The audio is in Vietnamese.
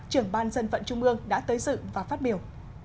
trưởng ban dân vận trung ương đã tới dự và phát biểu